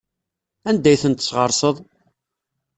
Anda ay ten-tesɣerseḍ?